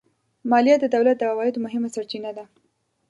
مالیه د دولت د عوایدو مهمه سرچینه ده